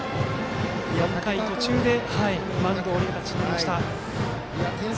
４回途中でマウンドを降りる形になりました。